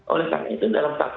oleh karena itu dalam tahun ini